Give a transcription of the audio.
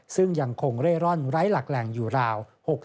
ซึ่งยังคงเร่ร่อนไร้หลักแหล่งอยู่ราว